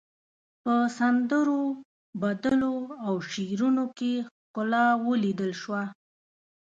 په سندرو، بدلو او شعرونو کې ښکلا وليدل شوه.